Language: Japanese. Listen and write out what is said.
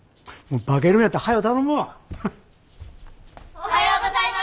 おはようございます。